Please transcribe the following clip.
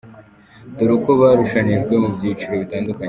Dore uko barushanijwe mu byicicro bitadukanye:.